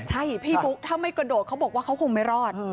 ใช่พี่บุ๊คถ้าไม่กระโดดเขาบอกว่าเขาคงไม่รอด